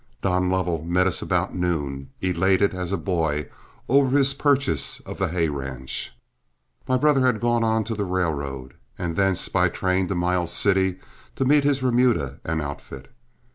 Don Lovell met us about noon, elated as a boy over his purchase of the hay ranch. My brother had gone on to the railroad and thence by train to Miles City to meet his remuda and outfit.